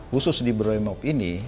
khusus di brimop ini